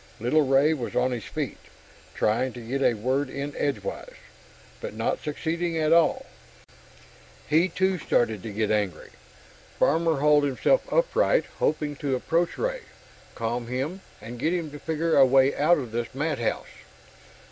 Little Ray was on his feet, trying to get a word in edgewise, but not succeeding at all. He too started to get angry. Farmer hauled himself upright, hoping to approach Ray, calm him, and get him to figure a way out of this madhouse.